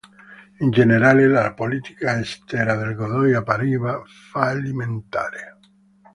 In generale, la politica estera del Godoy appariva fallimentare.